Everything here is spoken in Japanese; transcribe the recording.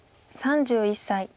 ３１歳。